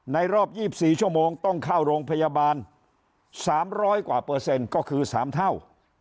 รอบ๒๔ชั่วโมงต้องเข้าโรงพยาบาล๓๐๐กว่าเปอร์เซ็นต์ก็คือ๓เท่า